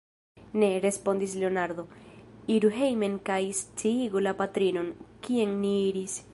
Ne, respondis Leonardo, iru hejmen kaj sciigu la patrinon, kien ni iris.